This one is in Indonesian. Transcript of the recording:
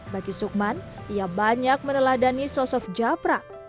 bagi sukman ia banyak meneladani sosok japra